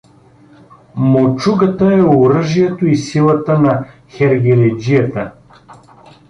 Мочугата е оръжието и силата на хергеледжията.